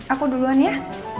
aku duluan ya